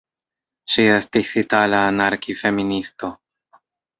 Ŝi estis itala anarki-feministo.